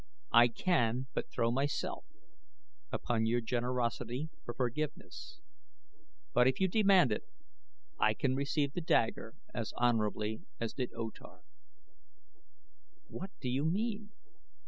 I can but throw myself upon your generosity for forgiveness; but if you demand it I can receive the dagger as honorably as did O Tar." "What do you mean?"